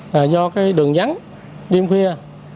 là do cái đường nhắn đêm khuya